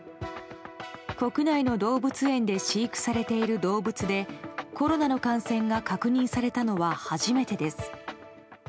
国内の動物園で飼育されている動物でコロナの感染が確認されたのは初めてです。